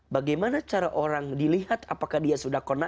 bagaimana cara orang dilihat apakah dia sudah